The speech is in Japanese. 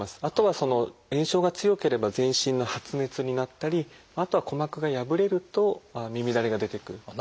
あとは炎症が強ければ全身の発熱になったりあとは鼓膜が破れると耳だれが出てくる。